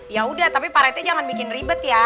yaudah tapi pak rednya jangan bikin ribet ya